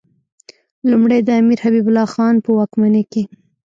لومړی د امیر حبیب الله خان په واکمنۍ کې.